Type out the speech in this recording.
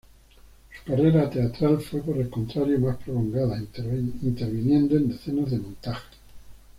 Su carrera teatral fue, por el contrario, más prolongada interviniendo en decenas de montajes.